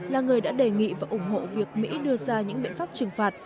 là người đã đề nghị và ủng hộ việc mỹ đưa ra những biện pháp trừng phạt